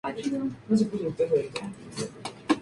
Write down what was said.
A veces se le presenta como "la más hermosa plaza de Zagreb".